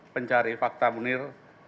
pencari fakta munir